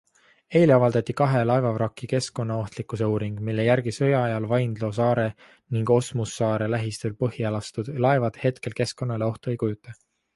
Eile avaldati kahe laevavraki keskkonnaohtlikkuse uuring, mille järgi sõja ajal Vaindloo saare ning Osmussaare lähistel põhja lastud laevad hetkel keskkonnale ohtu ei kujuta.